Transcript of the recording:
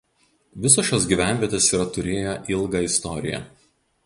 Visos šios gyvenvietės yra turėję ilgą istoriją.